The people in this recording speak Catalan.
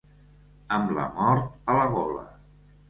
Amb la mort a la gola.